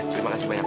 terima kasih banyak